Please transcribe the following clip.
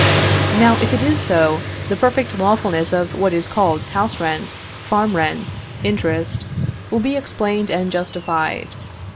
Now, if it is so, the perfect lawfulness of what is called house rent, farm rent, interest, will be explained and justified.